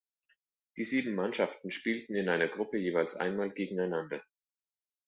Die sieben Mannschaften spielten in einer Gruppe jeweils einmal gegeneinander.